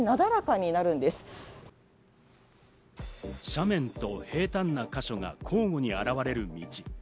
斜面と平たんな箇所が交互に現れる道。